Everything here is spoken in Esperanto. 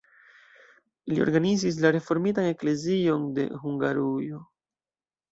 Li organizis la reformitan eklezion de Hungarujo.